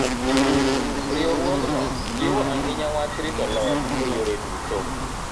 Riwruogno jiwo ahinya wach rito ler e yore duto.